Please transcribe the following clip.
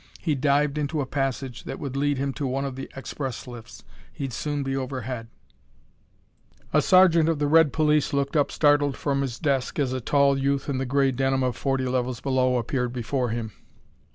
He dived into a passage that would lead him to one of the express lifts. He'd soon be overhead. A sergeant of the red police looked up startled from his desk as a tall youth in the gray denim of forty levels below appeared before him.